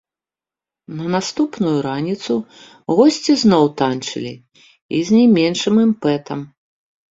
На наступную раніцу госці зноў танчылі, і з не меншым імпэтам!